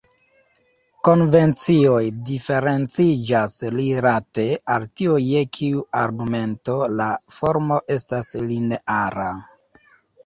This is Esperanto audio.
Konvencioj diferenciĝas rilate al tio je kiu argumento la formo estas lineara.